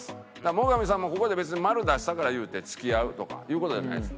最上さんもここで別に「○」出したからいうて付き合うとかいう事じゃないです。